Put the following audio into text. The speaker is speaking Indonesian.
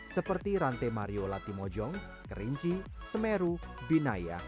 seperti rantai mariola timojong kerinci semeru binaya